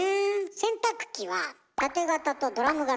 洗濯機はタテ型とドラム型